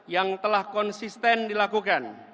yang telah konsisten dilakukan